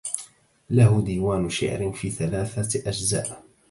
له ديوان شعر في ثلاثة أجزاء